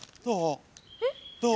どう？